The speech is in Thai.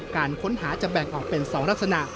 การค้นหาจะแบ่งออกเป็น๒ลักษณะ